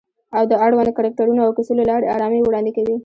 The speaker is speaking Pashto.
او د اړونده کرکټرونو او کیسو له لارې آرامي وړاندې کوي